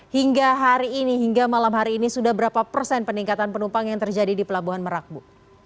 hingga hari ini hingga malam hari ini sudah berapa persen peningkatan penumpang yang terjadi di pelabuhan merak bu